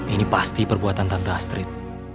ini pasti perbuatan tante astrid